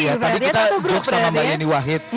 iya tadi kita grup sama mbak yeni wahid